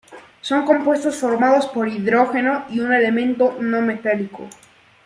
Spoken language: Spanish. Son compuestos formados por hidrógeno y un elemento no metálico.